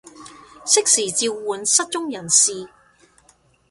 適時召喚失蹤人士